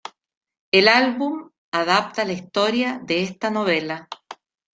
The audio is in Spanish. El álbum adapta la historia de esta novela.